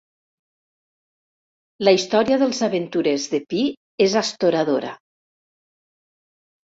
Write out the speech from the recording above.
La història dels aventurers de pi és astoradora.